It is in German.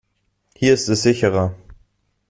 Hier ist es sicherer.